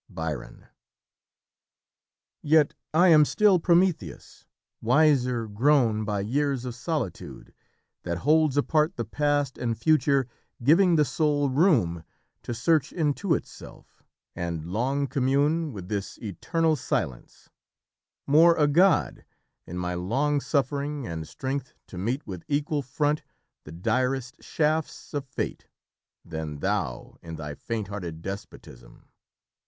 Byron. "Yet, I am still Prometheus, wiser grown By years of solitude, that holds apart The past and future, giving the soul room To search into itself, and long commune With this eternal silence; more a god, In my long suffering and strength to meet With equal front the direst shafts of fate, Than thou in thy faint hearted despotism